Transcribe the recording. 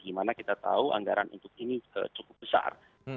dimana kita tahu anggaran untuk ini cukup besar